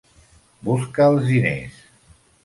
Busca els diners.